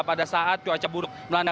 pada saat cuaca buruk melanda